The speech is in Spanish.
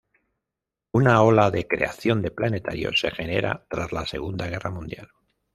Una nueva ola de creación de planetarios se genera tras la segunda guerra mundial.